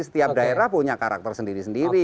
setiap daerah punya karakter sendiri sendiri